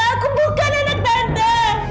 aku bukan anak tante